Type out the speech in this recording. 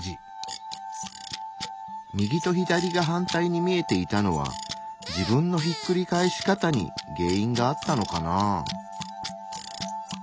右と左が反対に見えていたのは自分のひっくり返し方に原因があったのかなあ。